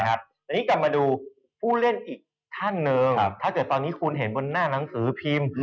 อันนี้กลับมาดูผู้เล่นอีกท่านหนึ่งถ้าเกิดตอนนี้คุณเห็นบนหน้าหนังสือพิมพ์